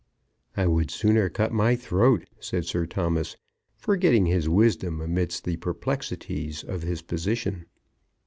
"I would sooner cut my throat!" said Sir Thomas, forgetting his wisdom amidst the perplexities of his position.